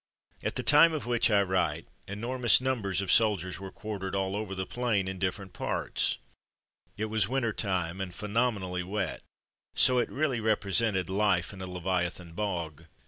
At the time of which I write, enormous numbers of soldiers were quartered all over the plain, in different parts. It was winter time, and phenomenally wet, so it really represented 40 From Mud to Mufti life in a leviathan bog.